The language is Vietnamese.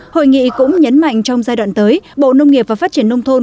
hội nghị cũng nhấn mạnh trong giai đoạn tới bộ nông nghiệp và phát triển nông thôn